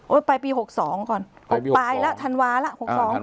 โอ้ยไปปีหกสองก่อนหกปลายล่ะธันวาล่ะหกสอง